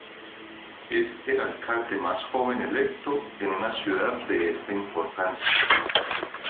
Es el alcalde más joven electo en una ciudad de esta importancia.